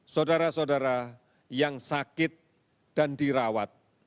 saudara saudara yang sakit dan dirawat